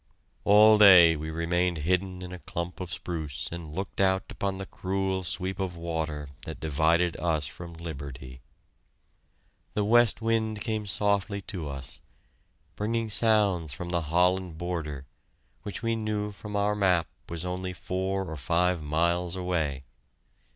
All day we remained hidden in a clump of spruce and looked out upon the cruel sweep of water that divided us from liberty. The west wind came softly to us, bringing sounds from the Holland border, which we knew from our map was only four or five miles away!